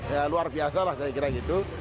ya luar biasa lah saya kira gitu